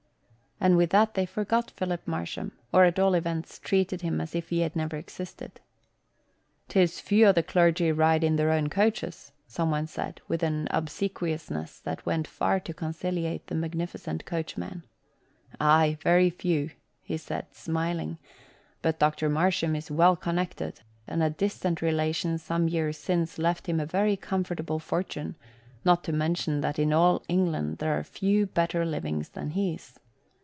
And with that they forgot Philip Marsham, or at all events treated him as if he had never existed. "'Tis few o' the clergy ride in their own coaches," someone said, with an obsequiousness that went far to conciliate the magnificent coachman. "Aye, very few," he said smiling, "but Dr. Marsham is well connected and a distant relation some years since left him a very comfortable fortune not to mention that in all England there are few better livings than his.